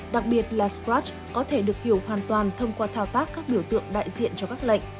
đặc biệt là scratch có thể được hiểu hoàn toàn thông qua thao tác các biểu tượng đại diện cho các lệnh